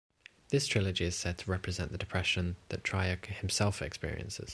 This trilogy is said to represent the depression that Trier himself experiences.